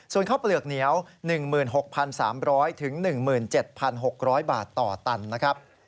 ส่วนข้าวเปลือกเหนียว๑๖๓๐๐๑๗๖๐๐บาทต่อตันนะครับ